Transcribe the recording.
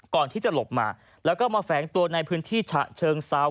ก่อนที่จะหลบมาแล้วก็มาแฝงตัวในพื้นที่ฉะเชิงเซา